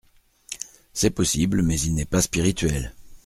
C’est possible, mais il n’est pas spirituel.